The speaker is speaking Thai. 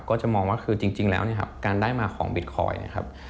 ก็จะมองว่าคือจริงแล้วการได้มาของบิตคอยน์